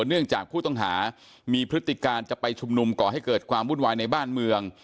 เนื่องจากผู้ต้องหามีพฤติการจะไปชุมนุมก่อให้เกิดความวุ่นวายในบ้านเมือง